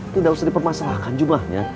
tidak usah dipermasalahkan jumlahnya